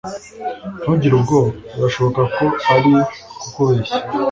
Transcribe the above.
Ntugire ubwoba Birashoboka ko ari kukubeshya.